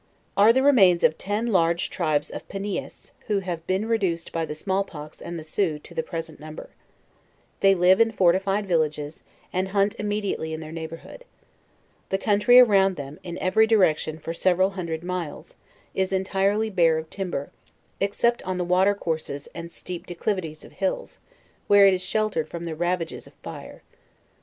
Are the remains of ten large tribes of Panias, who have been reduced by the small pox and the Sioux to the present number. They live in fortified, villages, and 9 130 JOURNAL OF hunt immediately in their neighborhood. The country around them, in every direction for several hundred miles, is entire ly bare of timber, except on the watercourses and steep de clivities of hills, where it is sheltered from the ravages of fire.